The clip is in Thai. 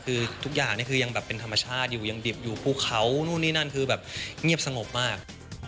คือทุกอย่างนี่คือยังแบบเป็นธรรมชาติอยู่ยังดิบอยู่ภูเขานู่นนี่นั่นคือแบบเงียบสงบมาก